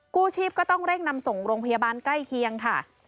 กู้ชีพก็ต้องเร่งนำส่งโรงพยาบาลใกล้เคียงค่ะ